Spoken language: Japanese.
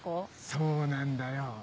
そうなんだよ